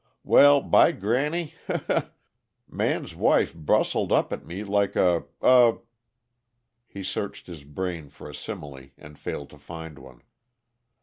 "Well, by granny he he! Man's wife brustled up at me like a a " He searched his brain for a simile, and failed to find one.